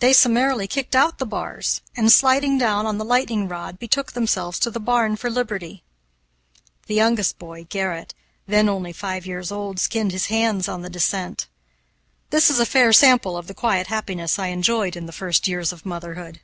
They summarily kicked out the bars, and, sliding down on the lightning rod, betook themselves to the barn for liberty. The youngest boy, Gerrit, then only five years old, skinned his hands in the descent. This is a fair sample of the quiet happiness I enjoyed in the first years of motherhood.